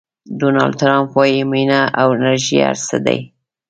ډونالډ ټرمپ وایي مینه او انرژي هر څه دي.